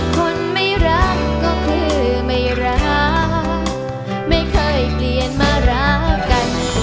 คนไม่รักก็คือไม่รักไม่เคยเปลี่ยนมารักกัน